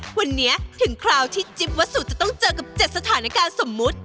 วันนี้ถึงคราวที่จิ๊บวัสสุจะต้องเจอกับ๗สถานการณ์สมมุติ